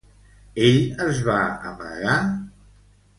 Ell es va amagar?